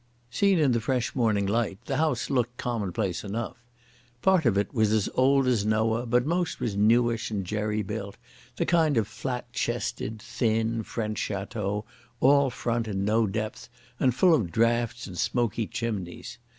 Seen in the fresh morning light the house looked commonplace enough. Part of it was as old as Noah, but most was newish and jerry built, the kind of flat chested, thin French Château, all front and no depth, and full of draughts and smoky chimneys.